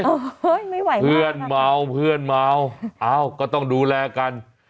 เฮ้ยไม่ไหวมากนะครับค่ะเพื่อนเมาเพื่อนเมาเอ้าก็ต้องดูแลกัน